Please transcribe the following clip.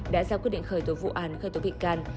đã ra quyết định khởi tổ vụ án khởi tổ bị can